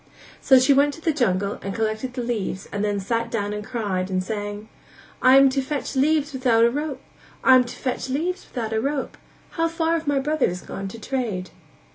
So she went to the jungle and collected the leaves and then sat down and cried and sang: "I am to fetch leaves without a rope I am to fetch leaves without a rope How far have my brothers gone to trade?"